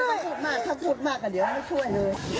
ถ้าพูดมากถ้าพูดมากเดี๋ยวมาช่วยเลย